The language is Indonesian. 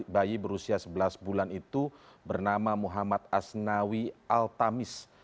bayi berusia sebelas bulan itu bernama muhammad asnawi al tamis